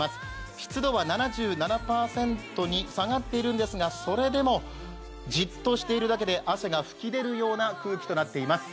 湿度は７７％に下がっているんですがそれでも、じっとしているだけで汗が噴き出るような空気となっています。